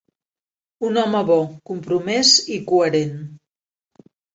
Un home bo, compromès i coherent.